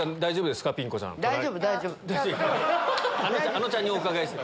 あのちゃんにお伺いした。